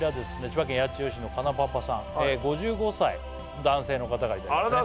千葉県八千代市のかなパパさん５５歳男性の方からいただきました